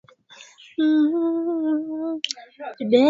watu wachache sana waliweza kuzifikia boti za kuokolea